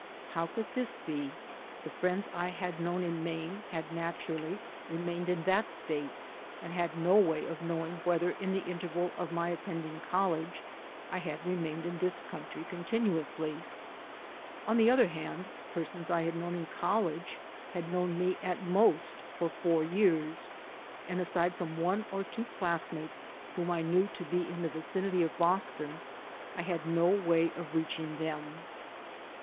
How could tlu's be? The friends I had known in Maine had naturally remained in that state and had no way of knowing whether in the interval of my attending college I had remained in this country continuously. On the other hand, persons I had known in college had known me at most for four years, and aside from one or two classmates whom I knew to be in the vicinity of Boston, I had no way of reaching them.